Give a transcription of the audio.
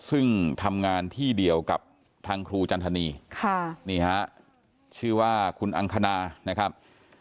ซึ่งทำงานที่เดียวกับทางครูจันทนีค่ะนี่ฮะชื่อว่าคุณอังคณานะครับ